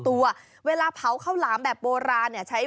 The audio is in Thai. แต่ว่าก่อนอื่นเราต้องปรุงรสให้เสร็จเรียบร้อย